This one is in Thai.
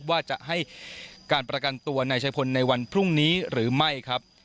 ว่าจะให้การประกันตัวนายชายพลในวันพรุ่งนี้หรือไม่ครับ